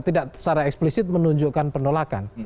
tidak secara eksplisit menunjukkan penolakan